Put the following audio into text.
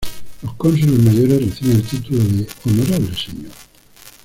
Los cónsules mayores reciben el título de "Honorable Señor".